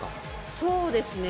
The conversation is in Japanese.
そうですね。